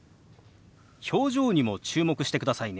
表情にも注目してくださいね。